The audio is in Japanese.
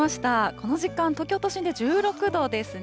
この時間、東京都心で１６度ですね。